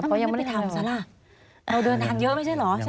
เขายังไม่ได้ทำซะล่ะเราเดินทางเยอะไม่ใช่เหรอใช่ไหม